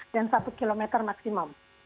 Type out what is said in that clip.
dan satu kilometer maksimum